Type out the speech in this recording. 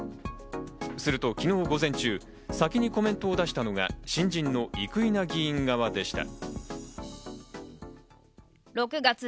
すると昨日午前中、先にコメントを出したのが新人の生稲議員側でした。